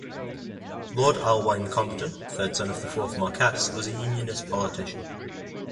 Lord Alwyne Compton, third son of the fourth Marquess, was a Unionist politician.